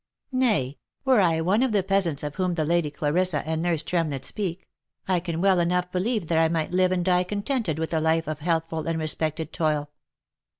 Nay, were I one of the peasants of whom the Lady Clarissa and nurse Tremlett speak, I can well enough believe that I might live and die contented with a life of healthful and respected toil.